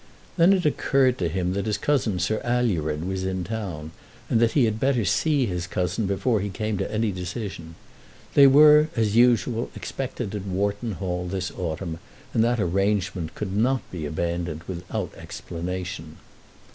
Then it occurred to him that his cousin, Sir Alured, was in town, and that he had better see his cousin before he came to any decision. They were, as usual, expected at Wharton Hall this autumn, and that arrangement could not be abandoned without explanation.